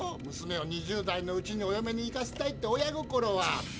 むすめを２０代のうちにおよめに行かせたいって親心は。